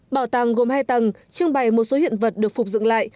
bảo tàng gồm hai tầng trưng bày một số hiện vật được phục dựng lại